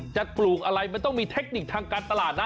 ปลูกอะไรมันต้องมีเทคนิคทางการตลาดนะ